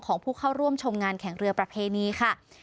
ของผู้เข้าร่วมชมงานแข่งเรือประเพณีค่ะ